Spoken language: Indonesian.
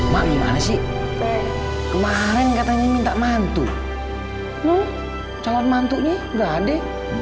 mak gimana sih kemaren katanya minta mantu calon mantunya nggakde